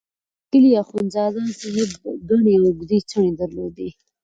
د کلي اخندزاده صاحب ګڼې او اوږدې څڼې درلودې.